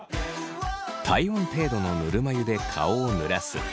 体温程度のぬるま湯で顔をぬらす。